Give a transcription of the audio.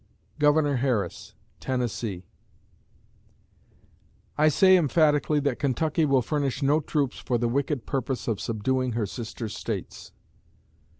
GOVERNOR HARRIS (Tennessee) I say emphatically that Kentucky will furnish no troops for the wicked purpose of subduing her sister States.